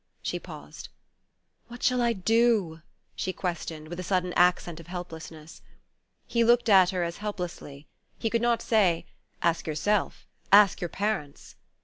She paused. "What shall I do?" she questioned, with a sudden accent of helplessness. He looked at her as helplessly. He could not say: "Ask yourself ask your parents."